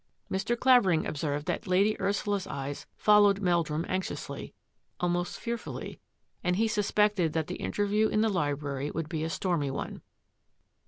Mr. Clavering observed that Lady Ursula's eyes fol lowed Meldrum anxiously, almost fearfully, and he suspected that the interview in the library would be a stormy one.